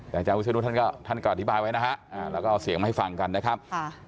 อยากจะเอาช่วยดูท่านก็อธิบายไว้นะฮะเราก็เอาเสียงให้ฟังกันนะครับ